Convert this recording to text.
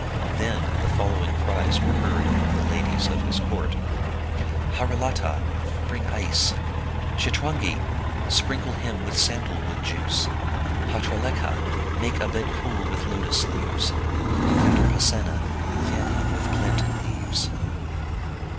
Then the following cries were heard among the ladies of his court, " Haralata, bring ice ! Chitrangi, sprinkle him with sandal wood juice! Patralekha, make a bed cool with lotus leaves! Kandarpasena, fan him with plantain leaves